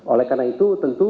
oleh karena itu tentu